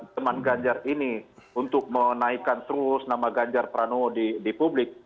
teman ganjar ini untuk menaikkan terus nama ganjar pranowo di publik